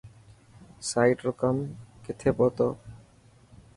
سائٽ رو ڪم ڪٿي پهتو.